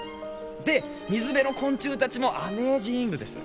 で水辺の昆虫たちもアメージングです。